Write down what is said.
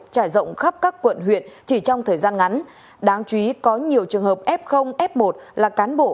trải rộng khắp các quận huyện chỉ trong thời gian ngắn đáng chú ý có nhiều trường hợp f f một là cán bộ